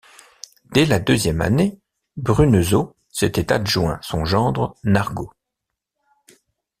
Dès la deuxième année, Bruneseau s’était adjoint son gendre Nargaud.